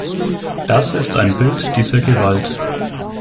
Das ist ein Bild dieser Gewalt.